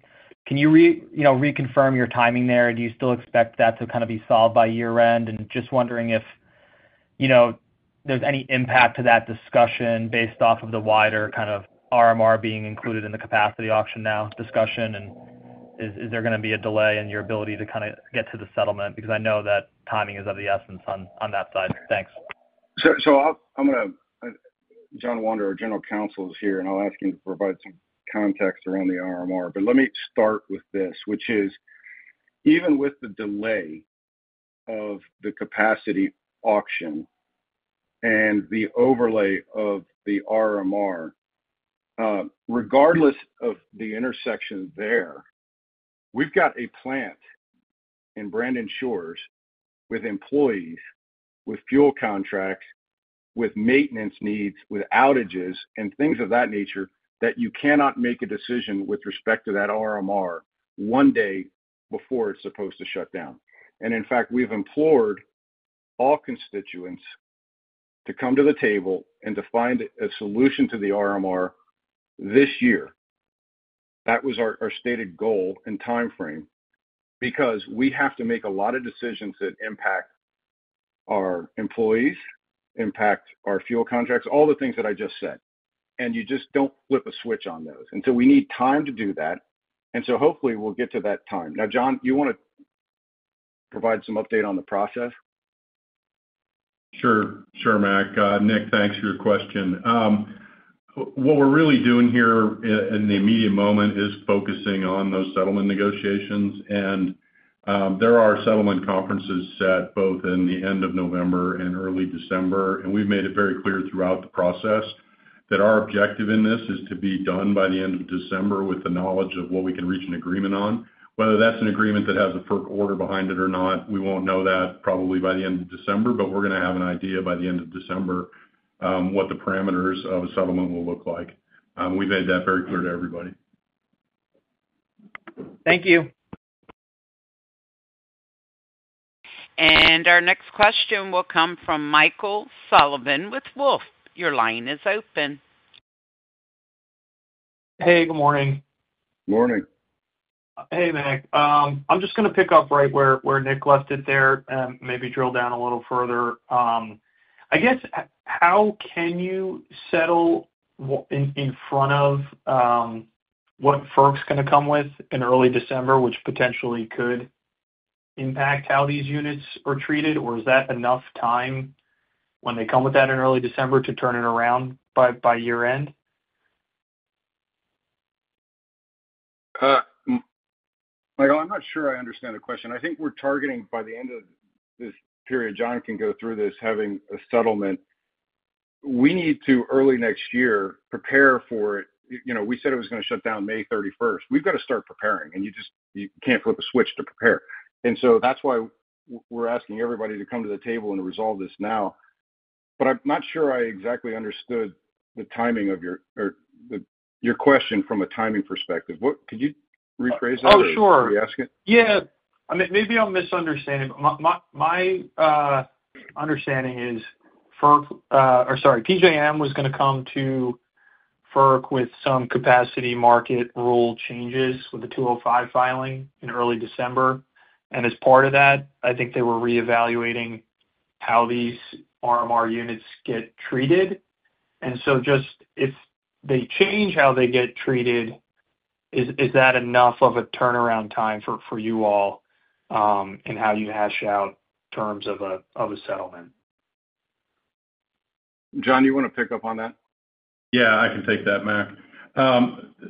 can you reconfirm your timing there? Do you still expect that to kind of be solved by year-end? And just wondering if there's any impact to that discussion based off of the wider kind of RMR being included in the capacity auction now discussion, and is there going to be a delay in your ability to kind of get to the settlement? Because I know that timing is of the essence on that side. Thanks. So, I'm going to John Wander, our General Counsel, is here, and I'll ask him to provide some context around the RMR. But let me start with this, which is even with the delay of the capacity auction and the overlay of the RMR, regardless of the intersection there, we've got a plant in Brandon Shores with employees, with fuel contracts, with maintenance needs, with outages, and things of that nature that you cannot make a decision with respect to that RMR one day before it's supposed to shut down. In fact, we've implored all constituents to come to the table and to find a solution to the RMR this year. That was our stated goal and timeframe because we have to make a lot of decisions that impact our employees, impact our fuel contracts, all the things that I just said. And you just don't flip a switch on those. And so we need time to do that. And so hopefully, we'll get to that time. Now, John, you want to provide some update on the process? Sure. Sure, Mac. Nick, thanks for your question. What we're really doing here in the immediate moment is focusing on those settlement negotiations. And there are settlement conferences set both in the end of November and early December. And we've made it very clear throughout the process that our objective in this is to be done by the end of December with the knowledge of what we can reach an agreement on. Whether that's an agreement that has a FERC order behind it or not, we won't know that probably by the end of December, but we're going to have an idea by the end of December what the parameters of a settlement will look like. We've made that very clear to everybody. Thank you. And our next question will come from Michael Sullivan with Wolfe. Your line is open. Hey, good morning. Morning. Hey, Mac. I'm just going to pick up right where Nick left it there and maybe drill down a little further. I guess, how can you settle in front of what FERC's going to come with in early December, which potentially could impact how these units are treated? Or is that enough time when they come with that in early December to turn it around by year-end? Michael, I'm not sure I understand the question. I think we're targeting by the end of this period, John can go through this, having a settlement. We need to, early next year, prepare for it. We said it was going to shut down May 31st. We've got to start preparing, and you can't flip a switch to prepare. And so that's why we're asking everybody to come to the table and resolve this now. But I'm not sure I exactly understood the timing of your question from a timing perspective. What— could you rephrase that— are you asking? Oh, sure. Yeah. Maybe I'm misunderstanding. My understanding is FERC or sorry, PJM was going to come to FERC with some capacity market rule changes with the 205 filing in early December. And as part of that, I think they were reevaluating how these RMR units get treated. And so just if they change how they get treated, is that enough of a turnaround time for you all in how you hash out terms of a settlement? John, you want to pick up on that? Yeah, I can take that, Mac.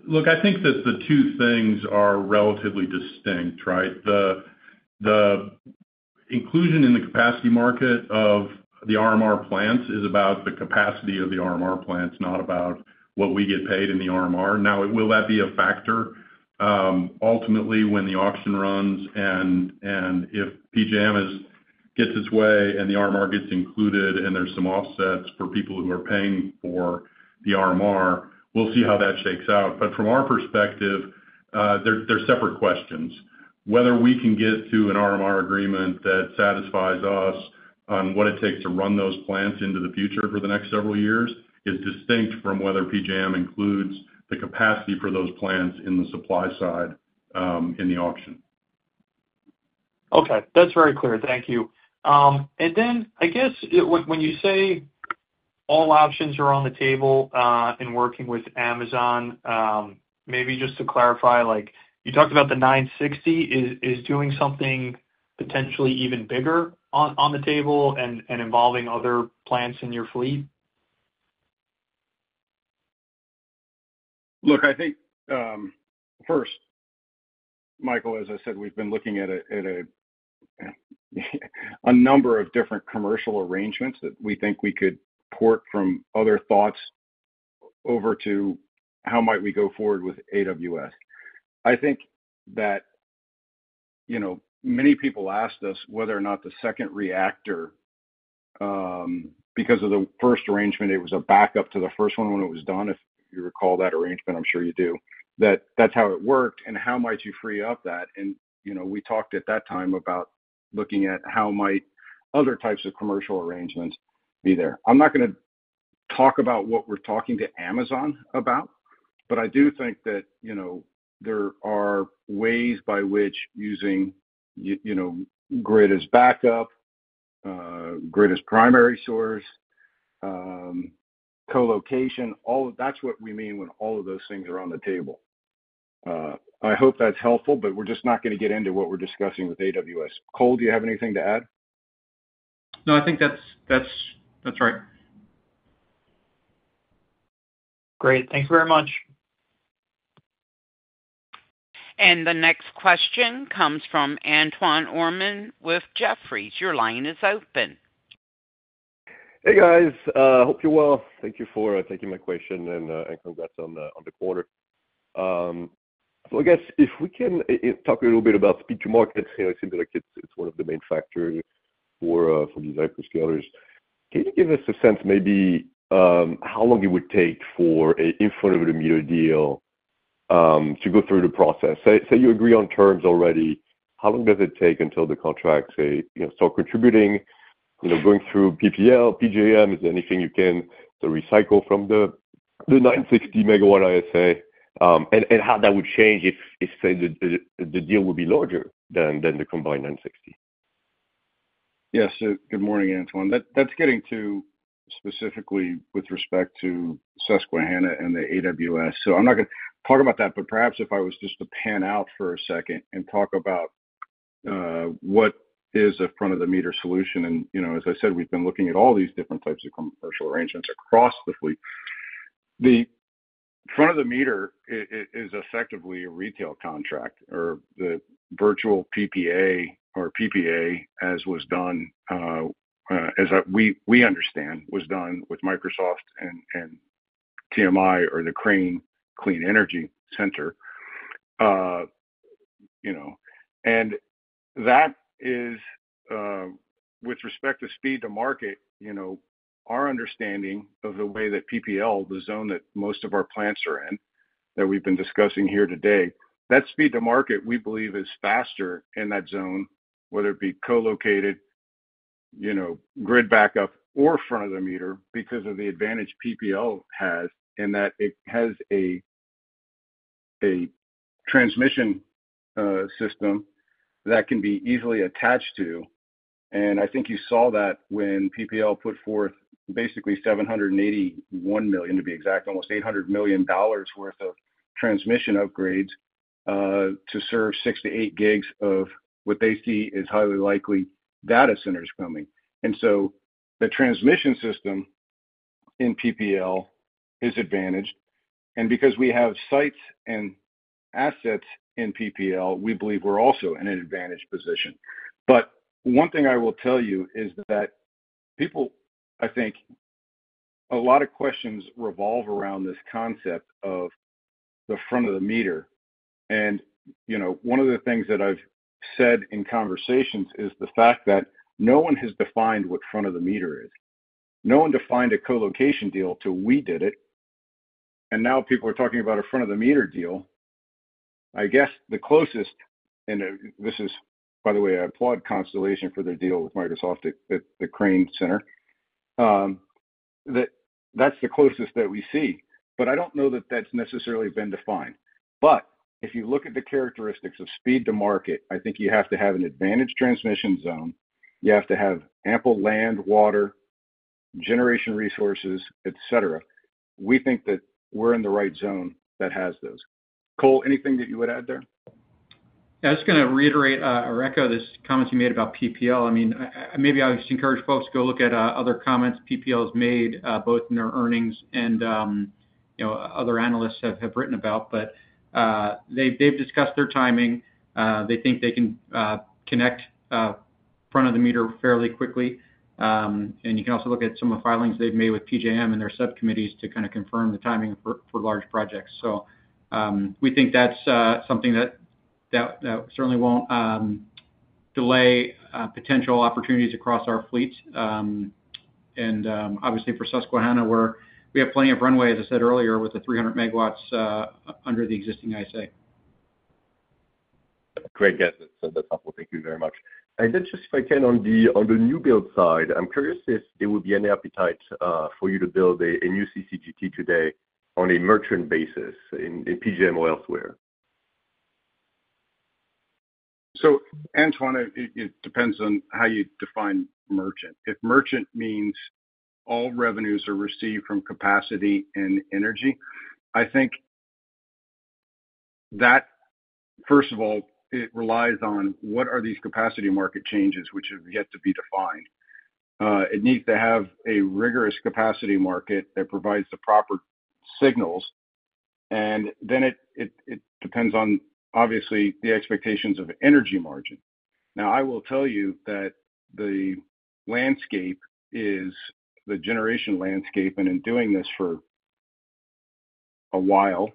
Look, I think that the two things are relatively distinct, right? The inclusion in the capacity market of the RMR plants is about the capacity of the RMR plants, not about what we get paid in the RMR. Now, will that be a factor ultimately when the auction runs, and if PJM gets its way and the RMR gets included and there's some offsets for people who are paying for the RMR, we'll see how that shakes out, but from our perspective, they're separate questions. Whether we can get to an RMR agreement that satisfies us on what it takes to run those plants into the future for the next several years is distinct from whether PJM includes the capacity for those plants in the supply side in the auction. Okay. That's very clear. Thank you. And then I guess when you say all options are on the table in working with Amazon, maybe just to clarify, you talked about the 960 is doing something potentially even bigger on the table and involving other plants in your fleet? Look, I think first, Michael, as I said, we've been looking at a number of different commercial arrangements that we think we could port from other thoughts over to how might we go forward with AWS. I think that many people asked us whether or not the second reactor, because of the first arrangement, it was a backup to the first one when it was done, if you recall that arrangement, I'm sure you do, that that's how it worked. And how might you free up that? And we talked at that time about looking at how might other types of commercial arrangements be there. I'm not going to talk about what we're talking to Amazon about, but I do think that there are ways by which using grid as backup, grid as primary source, co-location, that's what we mean when all of those things are on the table. I hope that's helpful, but we're just not going to get into what we're discussing with AWS. Cole, do you have anything to add? No, I think that's right. Great. Thank you very much. The next question comes from Antoine Aurimond with Jefferies. Your line is open. Hey, guys. Hope you're well. Thank you for taking my question and congrats on the quarter. So I guess if we can talk a little bit about speed to market, it seems like it's one of the main factors for these hyperscalers. Can you give us a sense maybe how long it would take for an in front-of-the-meter deal to go through the process? Say you agree on terms already, how long does it take until the contract, say, start contributing, going through PPL, PJM? Is there anything you can recycle from the 960-MW ISA? And how that would change if, say, the deal would be larger than the combined 960? Yes. Good morning, Antoine. That's getting to specifically with respect to Susquehanna and the AWS, so I'm not going to talk about that, but perhaps if I was just to pan out for a second and talk about what is a front-of-the-meter solution, and as I said, we've been looking at all these different types of commercial arrangements across the fleet. The front-of-the-meter is effectively a retail contract or the virtual PPA or PPA, as was done, as we understand, with Microsoft and TMI or the Crane Clean Energy Center. That is, with respect to speed to market, our understanding of the way that PPL, the zone that most of our plants are in, that we've been discussing here today, that speed to market, we believe, is faster in that zone, whether it be co-located, grid backup, or front-of-the-meter because of the advantage PPL has in that it has a transmission system that can be easily attached to. I think you saw that when PPL put forth basically $781 million, to be exact, almost $800 million worth of transmission upgrades to serve 6 gigs-8 gigs of what they see is highly likely data centers coming. So the transmission system in PPL is advantaged. Because we have sites and assets in PPL, we believe we're also in an advantage position. But one thing I will tell you is that people, I think, a lot of questions revolve around this concept of the front-of-the-meter. And one of the things that I've said in conversations is the fact that no one has defined what front-of-the-meter is. No one defined a co-location deal till we did it. And now people are talking about a front-of-the-meter deal. I guess the closest, and this is, by the way, I applaud Constellation for their deal with Microsoft, the Crane Center, that's the closest that we see. But I don't know that that's necessarily been defined. But if you look at the characteristics of speed to market, I think you have to have an advantaged transmission zone. You have to have ample land, water, generation resources, etc. We think that we're in the right zone that has those. Cole, anything that you would add there? Yeah. I was just going to reiterate or echo this comment you made about PPL. I mean, maybe I'll just encourage folks to go look at other comments PPL has made, both in their earnings and other analysts have written about. But they've discussed their timing. They think they can connect front-of-the-meter fairly quickly. And you can also look at some of the filings they've made with PJM and their subcommittees to kind of confirm the timing for large projects. So we think that's something that certainly won't delay potential opportunities across our fleet. And obviously, for Susquehanna, we have plenty of runway, as I said earlier, with the 300 MW under the existing ISA. Great. That's helpful. Thank you very much. And just if I can, on the new build side, I'm curious if there would be any appetite for you to build a new CCGT today on a merchant basis in PJM or elsewhere? Antoine, it depends on how you define merchant. If merchant means all revenues are received from capacity and energy, I think that, first of all, it relies on what are these capacity market changes which have yet to be defined. It needs to have a rigorous capacity market that provides the proper signals. And then it depends on, obviously, the expectations of energy margin. Now, I will tell you that the landscape is the generation landscape. And in doing this for a while,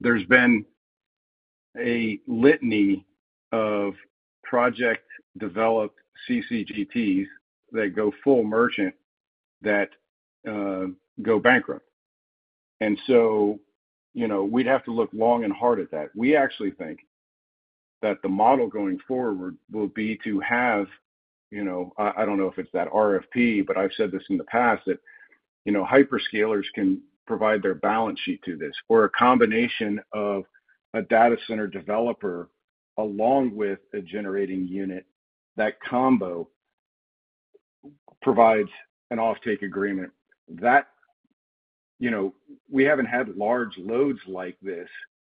there's been a litany of project-developed CCGTs that go full merchant that go bankrupt. And so we'd have to look long and hard at that. We actually think that the model going forward will be to have, I don't know if it's that RFP, but I've said this in the past, that hyperscalers can provide their balance sheet to this or a combination of a data center developer along with a generating unit. That combo provides an offtake agreement. We haven't had large loads like this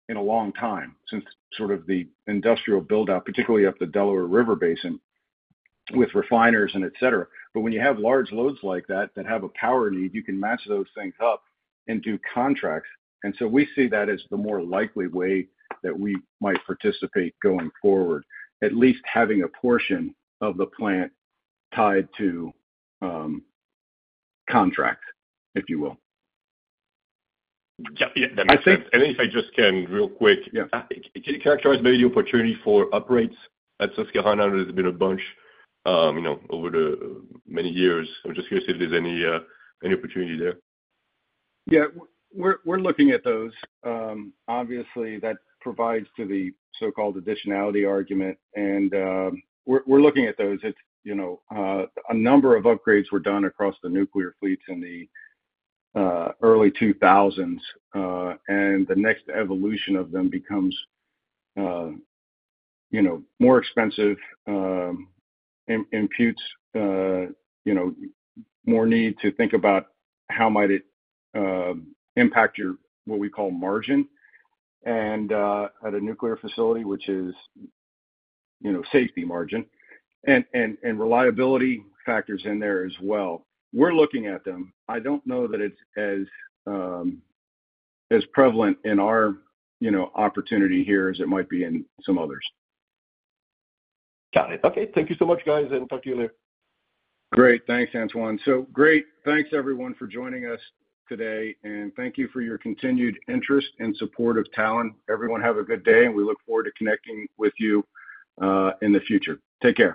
in a long time since sort of the industrial build-out, particularly up the Delaware River Basin with refiners and etc. But when you have large loads like that that have a power need, you can match those things up into contracts. And so we see that as the more likely way that we might participate going forward, at least having a portion of the plant tied to contract, if you will. Yeah, and if I just can real quick, can you characterize maybe the opportunity for upgrades at Susquehanna? There's been a bunch over the many years. I'm just curious if there's any opportunity there? Yeah. We're looking at those. Obviously, that provides to the so-called additionality argument. And we're looking at those. A number of upgrades were done across the nuclear fleets in the early 2000s. And the next evolution of them becomes more expensive, imputes more need to think about how might it impact what we call margin at a nuclear facility, which is safety margin and reliability factors in there as well. We're looking at them. I don't know that it's as prevalent in our opportunity here as it might be in some others. Got it. Okay. Thank you so much, guys, and talk to you later. Great. Thanks, Antoine. So great. Thanks, everyone, for joining us today. And thank you for your continued interest and support of Talen. Everyone, have a good day. And we look forward to connecting with you in the future. Take care.